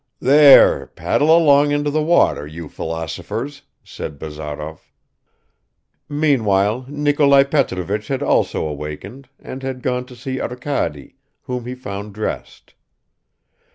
"There, paddle along into the water, you philosophers," said Bazarov. Meanwhile Nikolai Petrovich had also awakened and had gone to see Arkady, whom he found dressed.